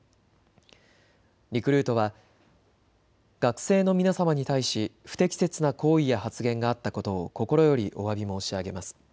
リクルートは学生の皆様に対し不適切な行為や発言や発言があったことを心よりおわび申し上げます。